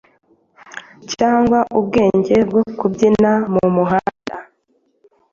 Cyangwa ubwenge bwo kubyina mumuhanda?